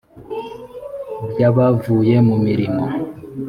ry abavuye mu mirimo